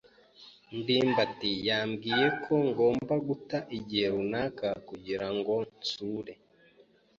ndimbati yambwiye ko ngomba guta igihe runaka kugira ngo nsure.